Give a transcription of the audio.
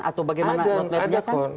atau bagaimana roadmapnya kan